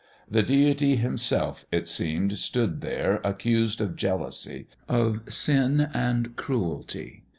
The Deity himself, it seemed, stood there accused of jealousy, of sin and cruelty.